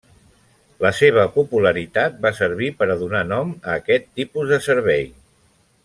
La seva popularitat va servir per a donar nom a aquest tipus de servei.